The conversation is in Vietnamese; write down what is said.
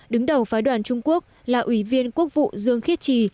đứng đầu phái đoàn trung quốc là ủy viên quốc vụ dương khiết trì